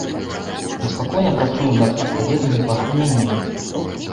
Мы спакойна працуем над адпаведнымі пагадненнямі.